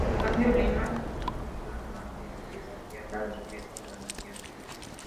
A cambio Lima acusó a Mangue de saquear la riqueza de la nación.